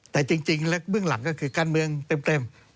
แต่จริงและเบื้องหลังก็คือการเมืองเต็ม